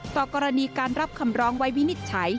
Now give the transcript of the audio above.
ต่อกรณีการรับคำร้องไว้วินิจฉัย